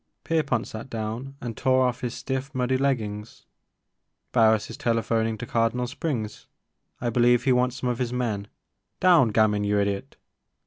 Pierpont sat down and tore off his stiff muddy leggings. Barris is telephoning to Cardinal Springs, — I believe he wants some of his men, — down! Gamin, you idiot